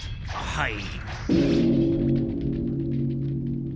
はい。